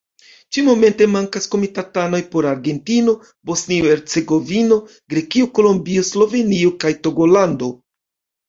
Ĉi-momente mankas komitatanoj por Argentino, Bosnio-Hercegovino, Grekio, Kolombio, Slovenio kaj Togolando.